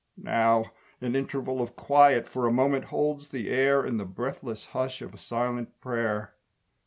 Now an interval of quiet For a moment holds the air In the breathless hush Of a silent prayer.